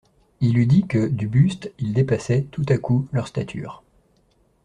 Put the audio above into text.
Il eût dit que, du buste, il dépassait, tout-à-coup, leurs statures.